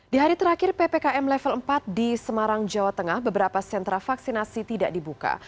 di hari terakhir ppkm level empat di semarang jawa tengah beberapa sentra vaksinasi tidak dibuka